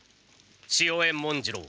潮江文次郎。